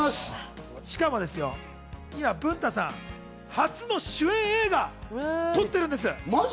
しかも文太さん、今、初の主演映画を撮ってるんです。